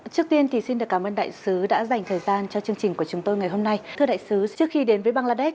trước khi tôi được cử đội bổ nhiệm làm đại sứ của việt nam tại bangladesh